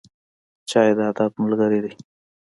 چای د ادب ملګری دی.